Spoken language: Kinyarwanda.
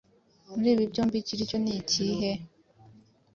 muri ibi byombi ikiricyo nikihe.